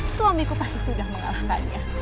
suamiku pasti sudah mengalahkan dia